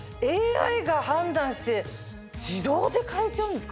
ＡＩが判断して自動で変えちゃうんですか？